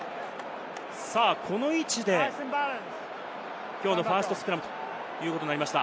この位置できょうのファーストスクラムということになりました。